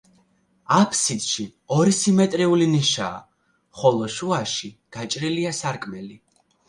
აბსიდში ორი სიმეტრიული ნიშაა, ხოლო შუაში გაჭრილია სარკმელი.